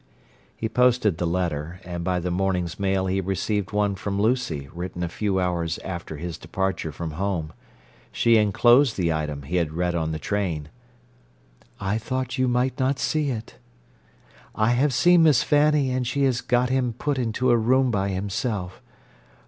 He posted the letter, and by the morning's mail he received one from Lucy written a few hours after his departure from home. She enclosed the item he had read on the train. I thought you might not see it. I have seen Miss Fanny and she has got him put into a room by himself.